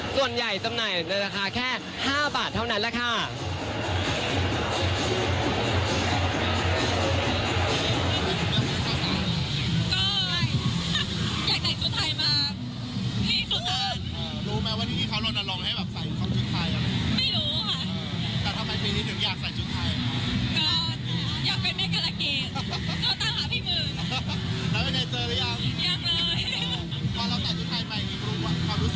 ส่วนใหญ่สำนักในราคาแค่๕บาทเท่านั้นแหละค่ะ